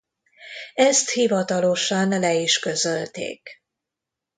Ezt hivatalosan le is közölték.